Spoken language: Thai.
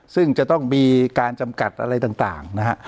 ซึ่งจะต้องมีการจำกัดอะไรต่างนะฮะ